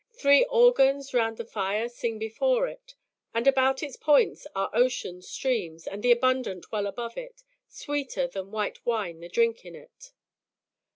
Three organs round a fire sing before it, And about its points are ocean's streams And the abundant well above it Sweeter than white wine the drink in it.